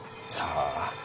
さあ。